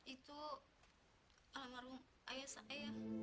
itu alam harum ayah saya